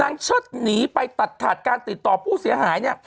เชิดหนีไปตัดขาดการติดต่อผู้เสียหายเนี่ย